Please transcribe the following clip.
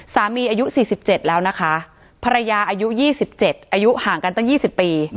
อายุ๔๗แล้วนะคะภรรยาอายุ๒๗อายุห่างกันตั้ง๒๐ปี